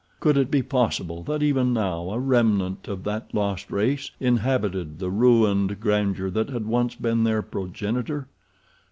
Could it be possible that even now a remnant of that lost race inhabited the ruined grandeur that had once been their progenitor?